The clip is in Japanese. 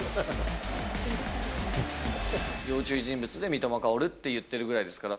要注意人物で三笘薫って言ってるぐらいですから。